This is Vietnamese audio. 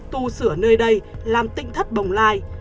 tu sửa nơi đây làm tỉnh thất bồng lai